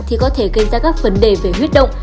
thì có thể gây ra các vấn đề về huyết động